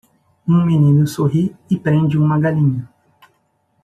Um menino sorri e prende uma galinha.